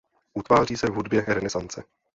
Utváří se v hudbě renesance.